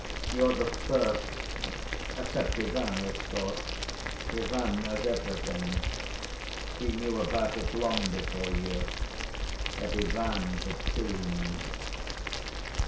You're the first, except Ivan, of course—Ivan knows everything. He knew about it long before you. But Ivan's a tomb."